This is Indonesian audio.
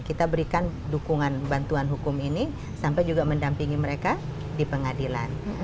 kita berikan dukungan bantuan hukum ini sampai juga mendampingi mereka di pengadilan